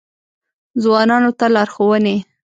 ځوانانو ته لارښوونې: